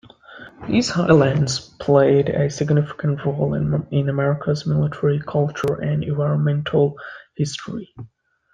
These highlands played a significant role in America's military, cultural and environmental history.